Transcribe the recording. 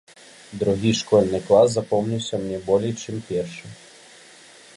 Другі школьны клас запомніўся мне болей, чым першы.